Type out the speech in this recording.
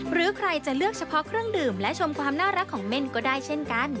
หรือใครจะเลือกเฉพาะเครื่องดื่มและชมความน่ารักของเม่นก็ได้เช่นกัน